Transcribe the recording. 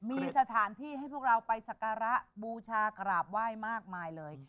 มีสถานที่ให้พวกเราไปสักการะบูชากราบไหว้มากมายเลย